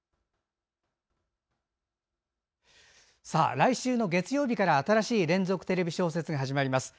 来週の月曜日から、新しい連続テレビ小説が始まります。